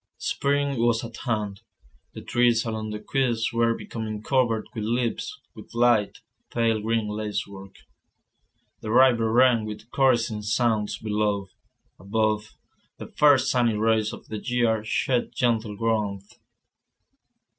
Spring was at hand; the trees along the quays were becoming covered with leaves, with light, pale green lacework. The river ran with caressing sounds below; above, the first sunny rays of the year shed gentle warmth.